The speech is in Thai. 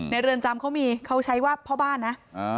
เรือนจำเขามีเขาใช้ว่าพ่อบ้านนะ